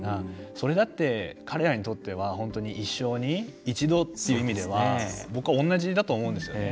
それだって彼らにとっては本当に一生に一度という意味では僕は同じだと思うんですよ。